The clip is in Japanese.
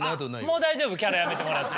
もう大丈夫キャラやめてもらって。